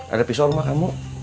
ada pisau rumah kamu